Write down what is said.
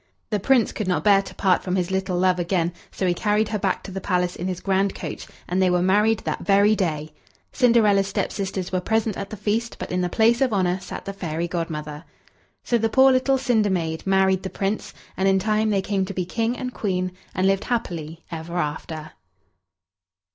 The Prince could not bear to part from his little love again, so he carried her back to the palace in his grand coach, and they were married that very day. Cinderella's stepsisters were present at the feast, but in the place of honor sat the fairy Godmother. So the poor little cinder maid married the Prince, and in time they came to be King and Queen, and lived happily ever after.